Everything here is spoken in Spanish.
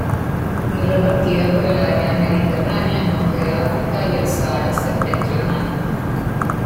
Muy repartida por el área mediterránea, norte de África y el Sahara septentrional.